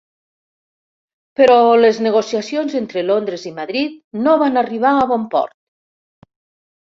Però les negociacions entre Londres i Madrid no van arribar a bon port.